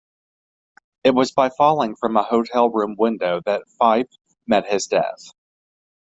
It was by falling from a hotel room window that Fyffe met his death.